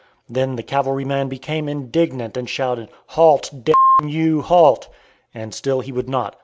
Then the cavalryman became indignant and shouted, "Halt, d n you; halt!" And still he would not.